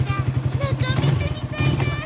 中見てみたいなあ。